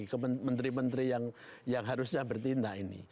kementeri menteri yang harusnya bertindak ini